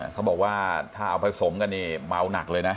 เขาบอกว่าถ้าเอาผสมกันเนี่ยเมาหนักเลยนะ